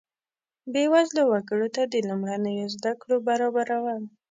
بیوزله وګړو ته د لومړنیو زده کړو برابرول.